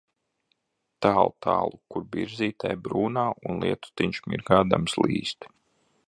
... tāltālu kur birzīte brūnā un lietutiņš mirgādams līst.